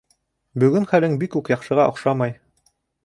Бөгөн хәлең бик үк яҡшыга оҡшамай